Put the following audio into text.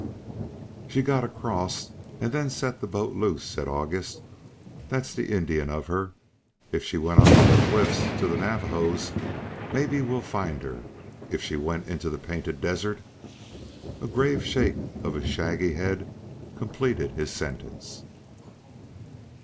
"She got across, and then set the boat loose," said August. "That's the Indian of her. If she went up on the cliffs to the Navajos maybe we'll find her. If she went into the Painted Desert " a grave shake of his shaggy head completed his sentence.